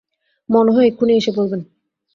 মনে হয় এখুনি এসে পড়বেন।